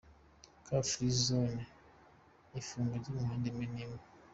Car Free Zone”, ifungwa ry’imihanda imwe n’imwe… .